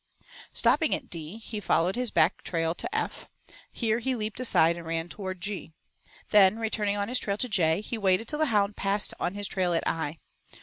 Stopping at D, he followed his back trail to F; here he leaped aside and ran toward G. Then, returning on his trail to J, he waited till the hound passed on his trail at I.